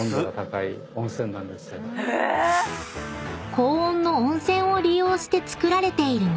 ［高温の温泉を利用して作られている物